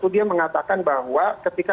dia mengatakan bahwa ketika